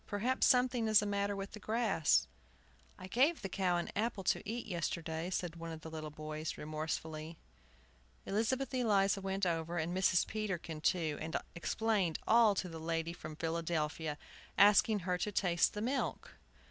"Perhaps something is the matter with the grass." "I gave the cow an apple to eat yesterday," said one of the little boys, remorsefully. Elizabeth Eliza went over, and Mrs. Peterkin too, and explained all to the lady from Philadelphia, asking her to taste the milk.